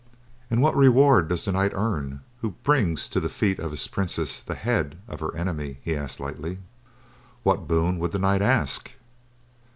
"And what reward does the knight earn who brings to the feet of his princess the head of her enemy?" he asked lightly. "What boon would the knight ask?"